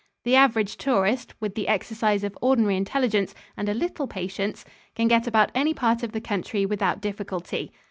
The average tourist, with the exercise of ordinary intelligence and a little patience, can get about any part of the country without difficulty.